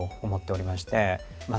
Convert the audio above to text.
まあ